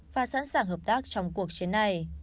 và sẵn sàng hợp tác trong cuộc chiến này